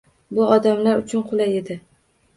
Bu odamlar uchun qulay edi